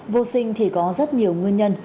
vô sinh thì có rất nhiều nguyên nhân